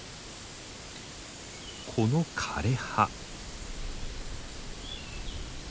この枯れ葉。